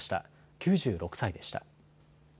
９６歳でした。